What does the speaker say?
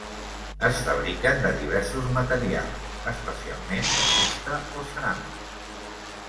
Es fabriquen de diversos materials, especialment de fusta o ceràmica.